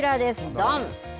どん。